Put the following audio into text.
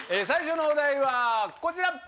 最初のお題はこちら！